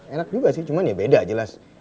enak juga sih cuman ya beda jelas